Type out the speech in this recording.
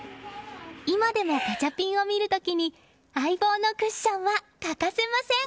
今でもガチャピンを見る時に相棒のクッションは欠かせません。